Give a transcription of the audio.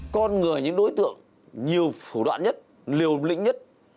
con người là những đối tượng nhiều phủ đoạn nhất liều lĩnh nhất